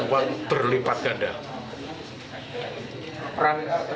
uang berlipat ganda